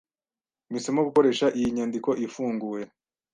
Mpisemo gukoresha iyi nyandiko ifunguye